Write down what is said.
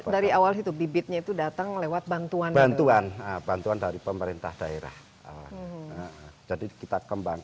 dari awal itu bibitnya itu datang lewat bantuan bantuan dari pemerintah daerah jadi kita kembang